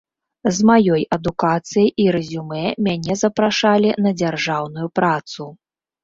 З маёй адукацыяй і рэзюмэ мяне запрашалі на дзяржаўную працу.